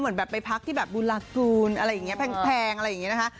เหมือนไปพักที่บูรากูลแพงอะไรอย่างนี้นะคะ